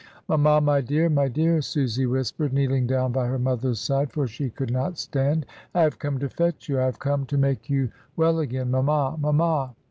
"Mamma, my dear! my dear!" Susy whispered, kneeling down by her mother's side; for she could not stand. "I have come to fetch you, I have come to make you well again, mamma! mamma!"